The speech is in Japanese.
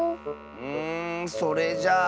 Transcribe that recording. うんそれじゃあ。